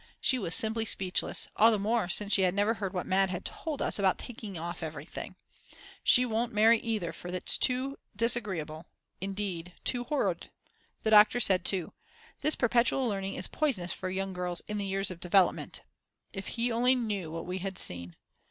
She was simply speechless, all the more since she had never heard what Mad. told us about taking off everything. She won't marry either, for it's too disagreeable, indeed too horrid. The doctor said too: This perpetual learning is poisonous for young girls in the years of development. If he only knew what we had seen.